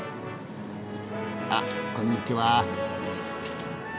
あっこんにちは。